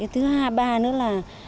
thứ hai ba nữa là